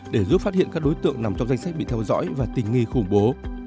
để giúp phát hiện các đối tượng nằm trong danh sách bị theo dõi và tình nghi khủng bố